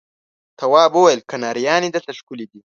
تواب وويل: کنریانې دلته ښکلې دي.